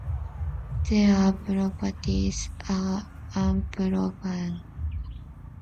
These properties are unproven.